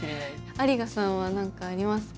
有賀さんは何かありますか？